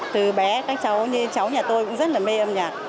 từ bé các cháu như cháu nhà tôi cũng rất là mê âm nhạc